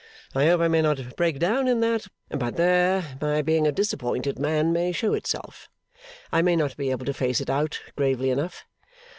I hope I may not break down in that; but there, my being a disappointed man may show itself. I may not be able to face it out gravely enough.